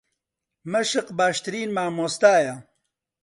مەشق باشترین مامۆستایە.